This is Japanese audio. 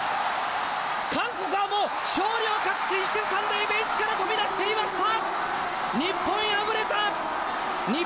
韓国はもう勝利を確信して３塁ベンチから飛び出していました。